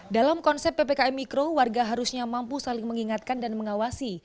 dalam konsep ppkm mikro warga harusnya mampu saling mengingatkan dan mengawasi